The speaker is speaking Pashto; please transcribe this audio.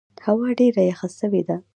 هوا ډېره یخه سوې ده.